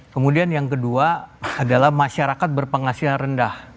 kemudian yang kedua adalah masyarakat berpenghasilan rendah